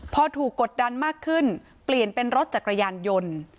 พอถูกกดดันมากขึ้นเปลี่ยนเป็นรถจักรยานยนต์